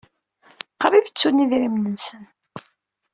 Qṛib i ttun idrimen-nsen.